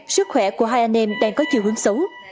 sức khỏe của hai anh em đang có chiều hướng xấu